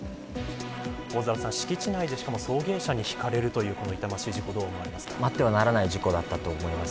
大空さん、敷地内でしかも送迎車にひかれるというあってはならない事故だったと思います。